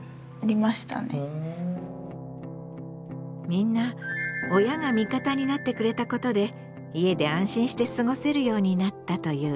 みんな親が味方になってくれたことで家で安心して過ごせるようになったという。